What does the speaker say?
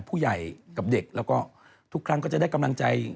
ผู้ใหญ่กับเด็กแล้วก็ทุกครั้งก็จะได้กำลังใจ